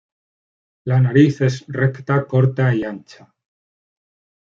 La nariz es recta, corta y ancha.